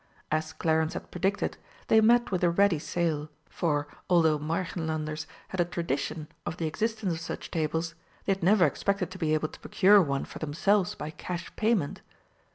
As Clarence had predicted, they met with a ready sale, for, although Märchenlanders had a tradition of the existence of such tables, they had never expected to be able to procure one for themselves by cash payment.